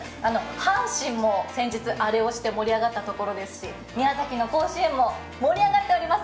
阪神も先日、アレをして盛り上がったところですし宮崎の甲子園も盛り上がっております。